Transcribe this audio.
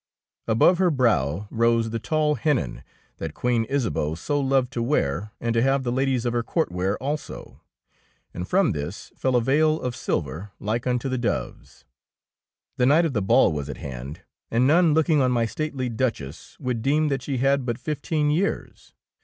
Above her brow rose the tall hennin that Queen Isabeau so loved to wear and to have the ladies of her court wear also, and from this fell a veil of silver like unto the doves. The night of the ball was at hand, and none looking on my stately Duch ess would deem that she had but flf teen years.